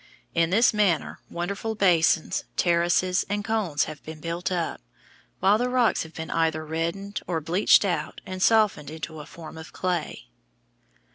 In this manner wonderful basins, terraces, and cones have been built up, while the rocks have been either reddened or bleached out and softened into a form of clay.